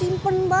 hampir aja bang